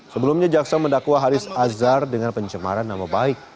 sebelumnya jaksa mendakwa haris azhar dengan pencemaran nama baik